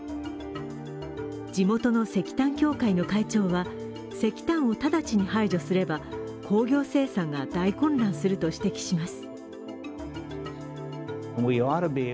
地元の石炭協会の会長は石炭を直ちに排除すれば工業生産が大混乱すると指摘します。